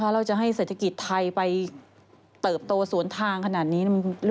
เราจะให้เศรษฐกิจไทยไปเติบโตสวนทางขนาดนี้